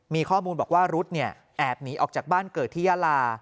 มีข้อมูลบอกว่ารุ๊ดแอบหนีออกจากบ้านเกิดที่ยาลา